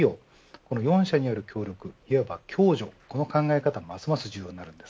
この４者による協力いわば共助、この考え方がますます重要になるんです。